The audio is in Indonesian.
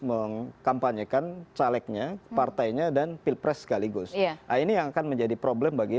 mengkampanyekan calegnya partainya dan pilpres sekaligus nah ini yang akan menjadi problem bagi